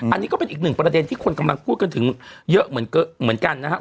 อันนี้ก็เป็นอีกหนึ่งประเด็นที่คนกำลังพูดกันถึงเยอะเหมือนกันนะครับ